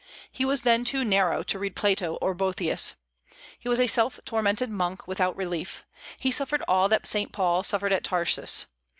He was then too narrow to read Plato or Boëthius. He was a self tormented monk without relief; he suffered all that Saint Paul suffered at Tarsus.